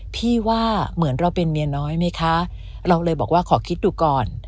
พี่ว่าเหมือนเราเป็นเมียน้อยไหมคะเราเลยบอกว่าขอคิดดูก่อน